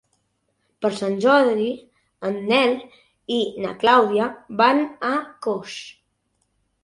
Per Sant Jordi en Nel i na Clàudia van a Coix.